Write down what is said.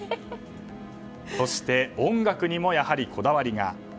そして、音楽にもこだわりが。